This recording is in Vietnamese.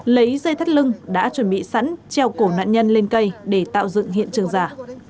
lấy dây thắt lưng đã chuẩn bị sẵn treo cổ nạn nhân lên cây để tạo dựng hiện trường giả